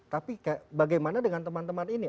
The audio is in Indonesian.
tapi bagaimana dengan teman teman ini